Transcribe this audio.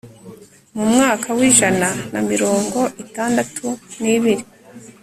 mu mwaka w'ijana na mirongo itandatu n'ibiri